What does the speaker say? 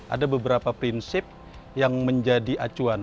ada beberapa prinsip yang menjadi acuan